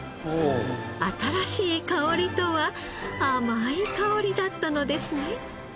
新しい香りとは甘い香りだったのですね。